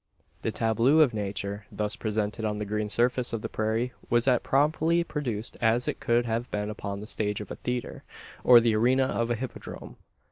The tableau of nature, thus presented on the green surface of the prairie, was as promptly produced as it could have been upon the stage of a theatre, or the arena of a hippodrome.